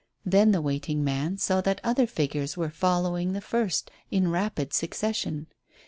Then the waiting man saw that other figures were following the first in rapid succession.